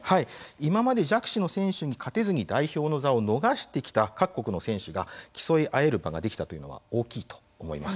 今まで弱視の選手に勝てずに代表の座を逃してきた各国の選手が競い合える場ができたというのは大きいと思います。